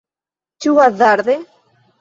Ĉu hazarde?